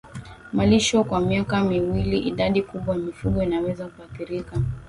malisho kwa miaka miwili Idadi kubwa ya mifugo inaweza kuathirika